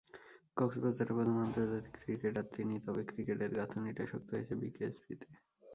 কক্সবাজারের প্রথম আন্তর্জাতিক ক্রিকেটার তিনি, তবে ক্রিকেটের গাঁথুনিটা শক্ত হয়েছে বিকেএসপিতে।